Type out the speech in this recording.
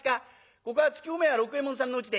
「ここは搗米屋六右衛門さんのうちで？」。